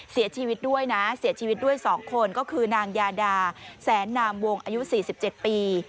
เสียชีวิตด้วยนะเสียชีวิตด้วย๒คนก็คือนางยาดาแสนนามวงอายุ๔๗ปี